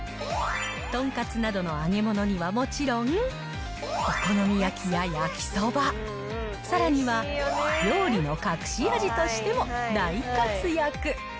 とんかつなどの揚げ物にはもちろん、お好み焼きや焼きそば、さらには料理の隠し味としても大活躍。